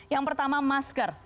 yang pertama masker